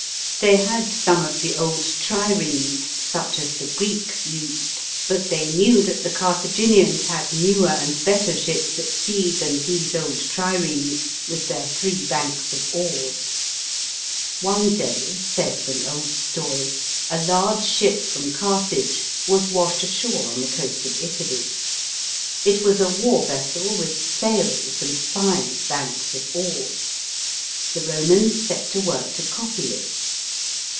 They had some of the old* triremes, such as the Greeks used ; but they knew that the Cartha 160 THE ROMAN FLEET. [B.C. 262. ginians had newer and better ships at sea, than these old triremes, with their three banks of oars. One day, says an old story, a large ship from Car thage was washed ashore on the coast of Italy. It was a war vessel with sails and five banks of oars. The Romans set to work to copy it.